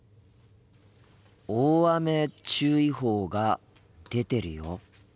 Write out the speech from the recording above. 大雨注意報が出てるよ。